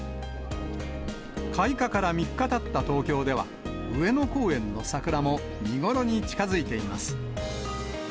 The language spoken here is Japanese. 開花から３日たった東京では、上野公園の桜も見頃に近づいています。